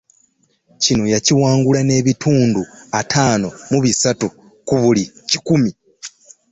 Kino yakiwangula n'ebitundu ataano mu bisatu ku buli kikumi